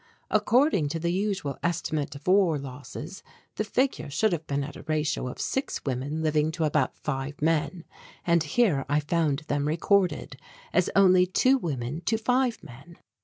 According to the usual estimate of war losses the figure should have been at a ratio of six women living to about five men, and here I found them recorded as only two women to five men.